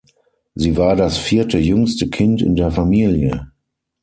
Sie war das vierte, jüngste Kind in der Familie.